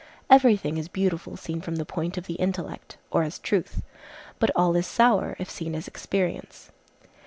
Every thing is beautiful seen from the point of the intellect, or as truth. But all is sour, if seen as experience.